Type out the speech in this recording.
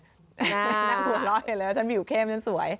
นั่งหัวร้อนอย่างนั้นแล้วฉันผิวเข้มฉันสวย